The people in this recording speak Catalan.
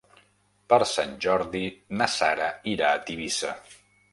Per Sant Jordi na Sara irà a Tivissa.